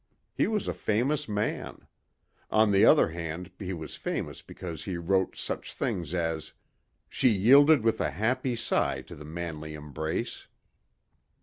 He was a famous man. On the other hand he was famous because he wrote such things as, "She yielded with a happy sigh to the manly embrace."